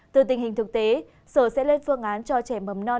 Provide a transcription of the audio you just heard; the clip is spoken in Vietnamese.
từ tình hình thực tế sở sẽ lên phương án cho trẻ mầm non